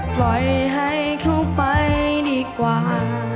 ปล่อยให้เขาไปดีกว่า